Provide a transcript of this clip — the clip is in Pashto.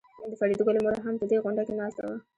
د فریدګل مور هم په دې غونډه کې ناسته وه